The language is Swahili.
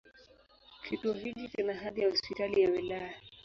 Kituo hiki kina hadhi ya Hospitali ya wilaya.